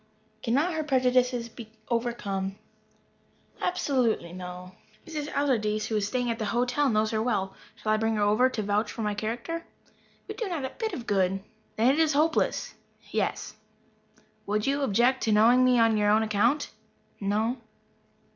"Cannot her prejudices be overcome?" "Absolutely no." "Mrs. Allardyce, who is staying at the hotel, knows her well. Shall I bring her over to vouch for my character?" "It would not do a bit of good." "Then it is hopeless." "Yes." "Would you object to knowing me on your own account?" "No."